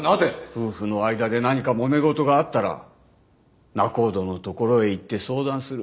夫婦の間で何かもめ事があったら仲人のところへ行って相談する。